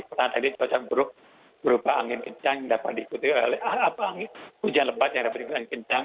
pertama tadi cuaca berubah angin kencang hujan lebat yang dapat diwaspadai dengan kencang